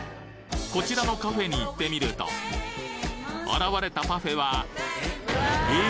こちらのカフェに行ってみると現れたパフェはえ？